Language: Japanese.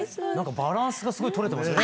バランスがすごいとれてますよね。